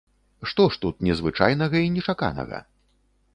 Што ж тут незвычайнага і нечаканага?